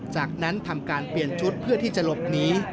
จากนั้นทำการเปลี่ยนชุดเพื่อที่จะหลบหนี